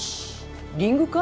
リング禍？